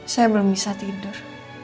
saya belum bisa tidur